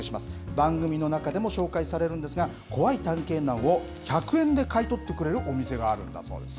番組の中でも紹介されるんですが、怖い体験談を１００円で買い取ってくれるお店があるんだそうです。